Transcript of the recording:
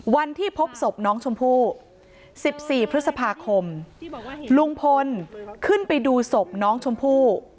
วันที่พบศพน้องชมพู่๑๔พฤษภาคมลุงพลขึ้นไปดูศพน้องชมพู่